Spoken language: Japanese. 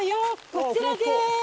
こちらでーす！